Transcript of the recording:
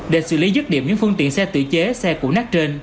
để xử lý dứt điểm những phương tiện xe tự chế xe củ nát trên